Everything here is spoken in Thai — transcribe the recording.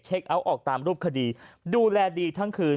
เอาท์ออกตามรูปคดีดูแลดีทั้งคืน